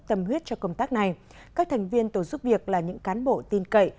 tâm huyết cho công tác này các thành viên tổ giúp việc là những cán bộ tin cậy